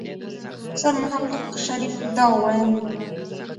سرمحقق شريف دا وويل.